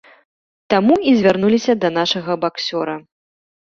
Таму і звярнуліся да нашага баксёра.